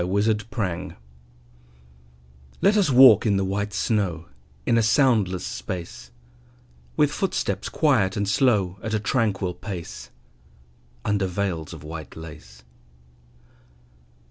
VELVET SHOES Let us walk in the white snow In a soundless space; With footsteps quiet and slow, At a tranquil pace, Under veils of white lace.